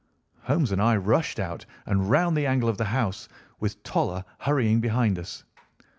Holmes and I rushed out and round the angle of the house, with Toller hurrying behind us.